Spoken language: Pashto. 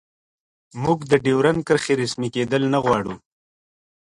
موږ د ډیورنډ کرښې رسمي کیدل نه غواړو